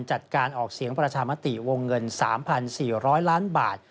จัดการออกเสียงประชามติวงเงิน๓๔๐๐ล้านบาท